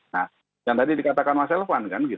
nah yang tadi dikatakan mas elvan kan